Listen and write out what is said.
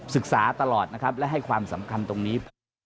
ศึกษาตลอดนะครับและให้ความสำคัญตรงนี้